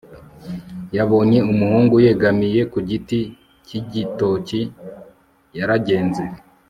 yabonye umuhungu yegamiye ku giti cy'igitoki. yaragenze